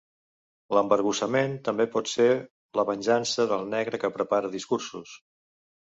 L'embarbussament també pot ser la venjança del negre que prepara discursos.